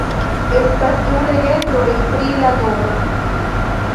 Estas du legendoj pri la nomo.